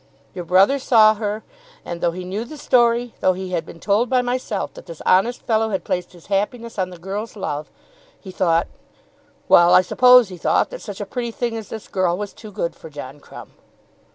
Your brother saw her and, though he knew the story, though he had been told by myself that this honest fellow had placed his happiness on the girl's love, he thought, well, I suppose he thought that such a pretty thing as this girl was too good for John Crumb."